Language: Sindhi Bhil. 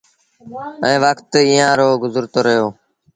ائيٚݩ وکت ايٚئآݩ رو گزرتو رهيو